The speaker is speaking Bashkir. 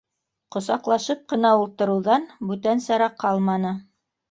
Ҡосаҡлашып ҡына ултырыуҙан бүтән сара ҡалманы